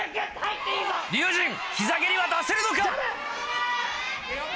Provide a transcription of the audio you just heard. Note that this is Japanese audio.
龍心膝蹴りは出せるのか？